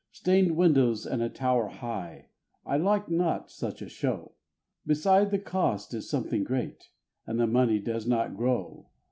Stained windows and a tower high I like not such a show, Beside the cost is something great, and money does not grow.